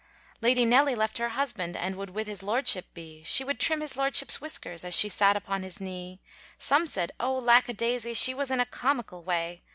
Lady Nelly left her husband, And would with his lordship be, She would trim his lordship's whiskers As she sat upon his knee. Some said oh, lack a daisy, She was in a comical way!